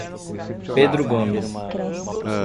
Pedro Gomes